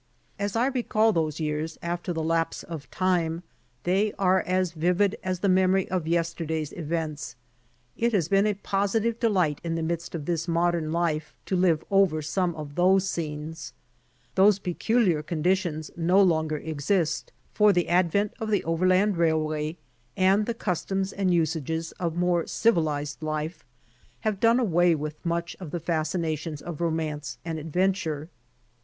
As I recall those years after the lapse of time, they are as vivid as the memory lof yesterday's events. It has been a positive delight in the midst of this modern life, to live over some of those scenes. Those peculiar conditions no longer exist, for the advent of the overland railway and the custioms and usages of more civilized life have done away with much of the fascinations of romance and adventure.